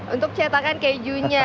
untuk cetakan kejunya